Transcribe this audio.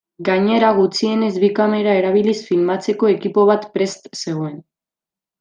Gainera, gutxienez bi kamera erabiliz filmatzeko ekipo bat prest zegoen.